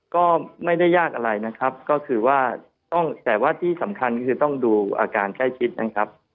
ก็ไม่ได้ยากอะไรนะครับก็คือว่าต้องแต่ว่าที่สำคัญก็คือต้องดูอาการใกล้ชิดนะครับ